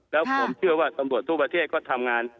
แล้วผมเชื่อว่าตำรวจทั่วประเทศก็ทำงาน